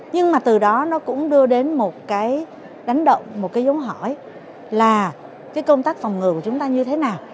nhưng mà từ đó nó cũng đưa đến một cái đánh động một cái giống hỏi là cái công tác phòng ngừa của chúng ta như thế nào